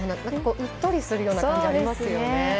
うっとりするような感じありますよね。